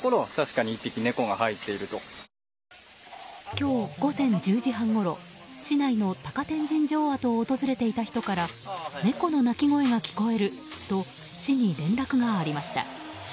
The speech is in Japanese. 今日午前１０時半ごろ市内の高天神城跡を訪れていた人から猫の鳴き声が聞こえると市に連絡がありました。